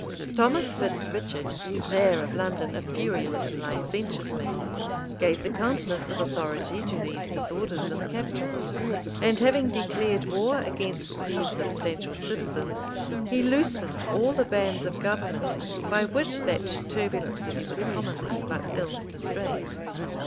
Thomas Fitz Richard, mayor of London, a furious and licentious man, gave the countenance of authority to these disorders in the capital; and having declared war against the substantial citizens, he loosened all the bands of government, by which that turbulent city was commonly but ill restrained.